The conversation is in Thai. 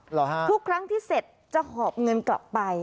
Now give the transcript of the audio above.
หรอฮะทุกครั้งที่เศรษฐ์จะขอบเงินกลับไป